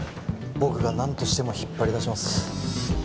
僕が何としても引っ張り出します